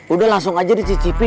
udah langsung aja dicicipi